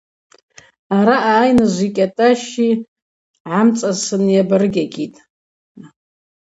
Араъа айныжви Кӏатӏащи гӏамцӏасын йабарыгьагьитӏ.